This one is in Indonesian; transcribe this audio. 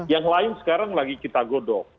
yang lain sekarang lagi kita godok